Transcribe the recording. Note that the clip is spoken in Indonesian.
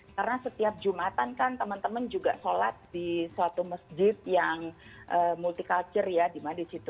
karena setiap jumatan kan teman teman juga sholat di suatu masjid yang multi culture ya di mana di situ